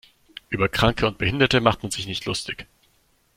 Über Kranke und Behinderte macht man sich nicht lustig.